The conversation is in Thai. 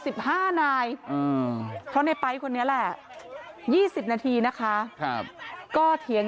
สิบห้านายอืมเพราะในไป๊คนนี้แหละยี่สิบนาทีนะคะครับก็เถียง